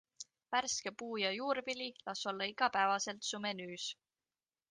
Värske puu- ja juurvili las olla igapäevaselt su menüüs.